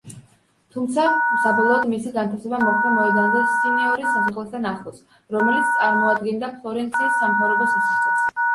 თუმცა, საბოლოოდ მისი განთავსება მოხდა მოედანზე სინიორის სასახლესთან ახლოს, რომელიც წარმოადგენდა ფლორენციის სამთავრობო სასახლეს.